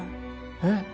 えっ？